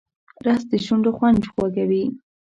رس د شونډو خوند خوږوي